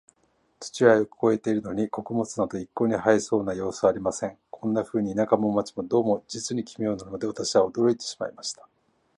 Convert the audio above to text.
土はよく肥えているのに、穀物など一向に生えそうな様子はありません。こんなふうに、田舎も街も、どうも実に奇妙なので、私は驚いてしまいました。